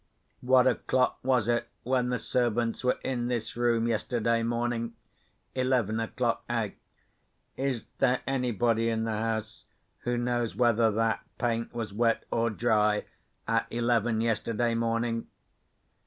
What o'clock was it when the servants were in this room yesterday morning? Eleven o'clock—eh? Is there anybody in the house who knows whether that paint was wet or dry, at eleven yesterday morning?"